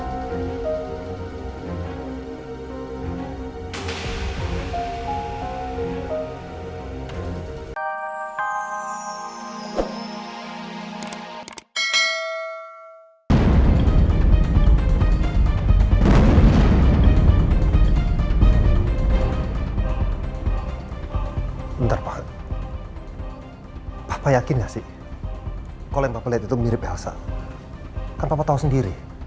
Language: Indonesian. bentar pak papa yakin gak sih kalau yang lihat itu mirip elsa kan papa tahu sendiri